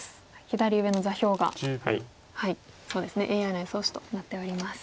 左上の座標がそうですねＡＩの予想手となっております。